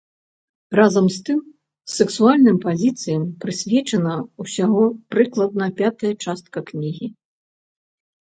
Разам з тым, сексуальным пазіцыям прысвечаная ўсяго прыкладна пятая частка кнігі.